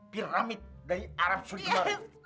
piramid dari arab sunda baru